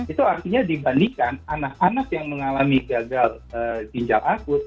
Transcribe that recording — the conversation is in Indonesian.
itu artinya dibandingkan anak anak yang mengalami gagal ginjal akut